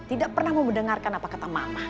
tidak pernah mau mendengarkan apa kata mama